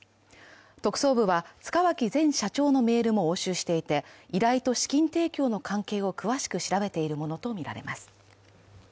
特捜部は塚脇前社長のメールも押収していて、依頼と資金提供の関係を詳しく調べているものとみられます。